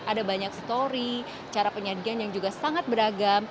ada banyak story cara penyajian yang juga sangat beragam